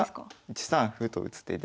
１三歩と打つ手で。